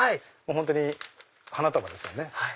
本当に花束ですよね。